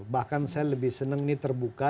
bahkan saya lebih senang ini terbuka